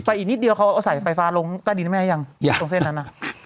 ไปอีกนิดเดียวเขาเอาใส่ไฟฟ้าลงตั้งเตรียงมันไหมแม่ตรงเส้นนั่น